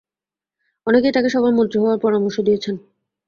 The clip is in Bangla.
অনেকেই তাঁকে সবার মন্ত্রী হওয়ার পরামর্শ দিয়েছেন।